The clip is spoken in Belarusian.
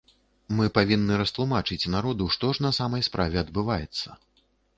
Мы павінны растлумачыць народу, што ж на самай справе адбываецца.